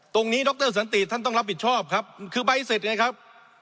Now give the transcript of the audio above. ดรสันติท่านต้องรับผิดชอบครับคือใบเสร็จไงครับ